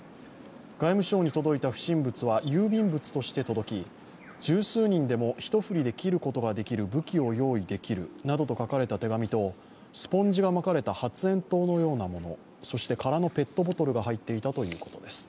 外務省に届いた不審物は郵便物として届き、十数人でも一振りで切ることができる武器を用意することができるなどと書かれた手紙とスポンジが巻かれた発煙筒のようなもの、そして空のペットボトルが入っていたということです。